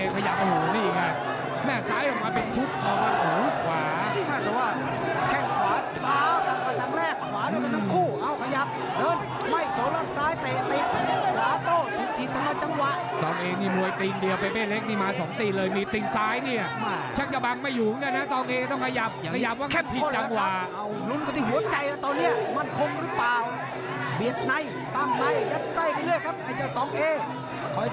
คอยโต้ตลอดคอยกังเหลี่ยมตลอดนะครับไอเจ้าเฟย์เบ้เล็ก